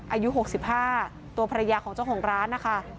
อายุ๖๕ตัวภรรยาของเจ้าของร้านนะคะ